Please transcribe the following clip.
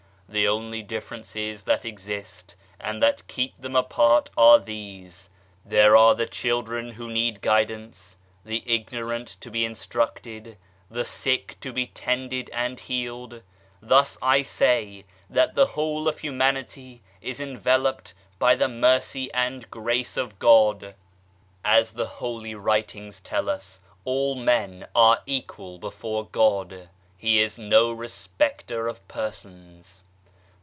The only differences that exist and that keep them apart are these : there are the children who need guidance, the ignorant to be instructed, the sick to be tended and healed; thus, I say that the whole of Humanity is enveloped by the Mercy and Grace of God. As the Holy Writings tell 120 THEOSOPHICAL SOCIETY us : All men are equal before God. He is no respecter of persons.